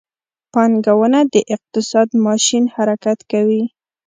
پانګونه د اقتصاد ماشین حرکت کوي.